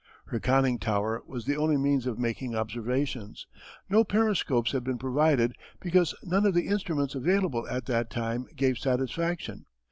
Her conning tower was the only means of making observations. No periscopes had been provided because none of the instruments available at that time gave satisfaction.